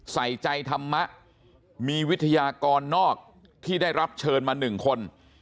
ใส่ใจธรรมะมีวิทยากรนอกที่ได้รับเชิญมา๑คน